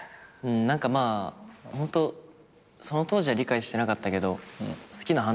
何かまあホントその当時は理解してなかったけど好きの反対は無関心。